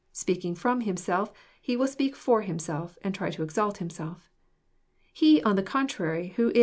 Speaking from himself, he will speak for himself, and try to exalt himself. He, on the contrary, who is.